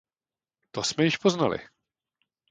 To jsme již poznali.